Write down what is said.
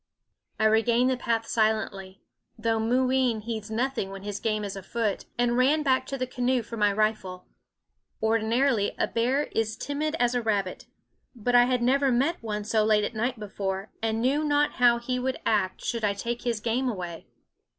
I regained the path silently though Mooween heeds nothing when his game is afoot and ran back to the canoe for my rifle. Ordinarily a bear is timid as a rabbit; but I had never met one so late at night before, and knew not how he would act should I take his game away.